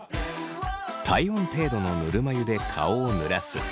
体温程度のぬるま湯で顔をぬらす。